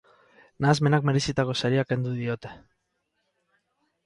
Nahasmenak merezitako saria kendu diote.